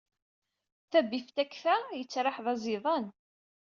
Tabiftakt-a yettraḥ d aẓidan.